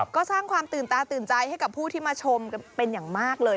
ก็สร้างความตื่นตาตื่นใจให้กับผู้ที่มาชมกันเป็นอย่างมากเลย